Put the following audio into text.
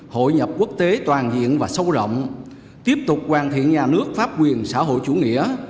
hội nhập quốc tế toàn diện và sâu rộng tiếp tục hoàn thiện nhà nước pháp quyền xã hội chủ nghĩa